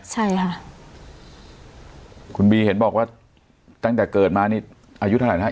ใช่ค่ะคุณบีเห็นบอกว่าตั้งแต่เกิดมานี่อายุเท่าไหร่นะฮะ